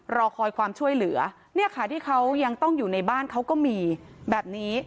รอคอยความช่วยเหลือเนี่ยค่ะที่เขายังต้องอยู่ในบ้านเขาก็มีแบบนี้